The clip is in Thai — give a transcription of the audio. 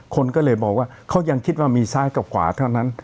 คนก็เลยบอกว่าเขายังคิดว่ามีซ้ายกับขวาเท่านั้น